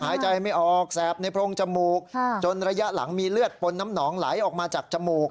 หายใจไม่ออกแสบในโพรงจมูกจนระยะหลังมีเลือดปนน้ำหนองไหลออกมาจากจมูก